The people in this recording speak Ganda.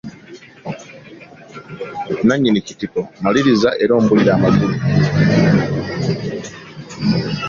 Nannyini kitiko, Maliriza era ombuulire amakulu.